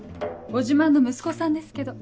ご自慢の息子さんですけど。